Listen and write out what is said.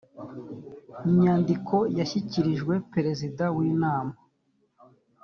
nyandiko yashyikirijwe perezida w’inama